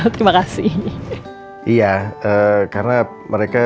gimana udah selesai